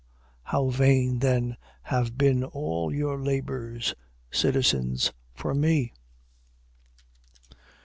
How vain, then, have been all your labors, citizens, for me!